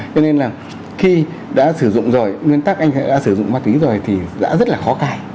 cho nên là khi đã sử dụng rồi nguyên tắc anh đã sử dụng ma túy rồi thì đã rất là khó cải